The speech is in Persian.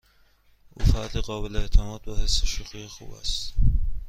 او فردی قابل اعتماد با حس شوخی خوب است.